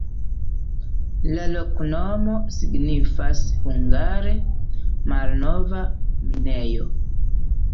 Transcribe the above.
La loknomo signifas hungare: malnova minejo.